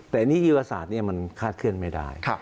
แต่นิวศาสตร์มันคาดเคลื่อนไม่ได้